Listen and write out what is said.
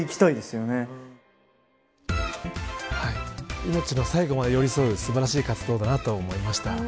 命の最後まで寄り添う素晴らしい活動だなと思いました。